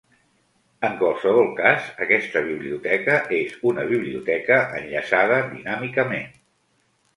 En qualsevol cas, aquesta biblioteca és una biblioteca enllaçada dinàmicament.